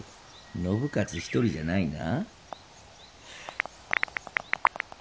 信雄一人じゃないな。